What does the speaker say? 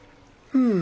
うん？